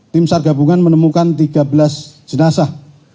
tim sargabungan menemukan tiga belas jenazah